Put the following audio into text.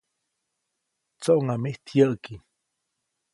‒¡Tsoʼŋa mijt yäʼki!‒.